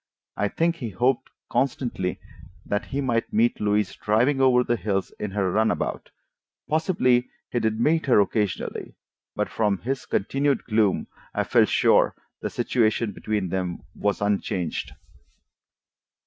I think he hoped constantly that he might meet Louise driving over the hills in her runabout: possibly he did meet her occasionally, but from his continued gloom I felt sure the situation between them was unchanged.